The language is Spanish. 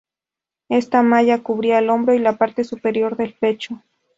Esta malla cubría el hombro y la parte superior del pecho.